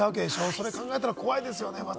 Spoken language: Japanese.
それ考えたら怖いですね。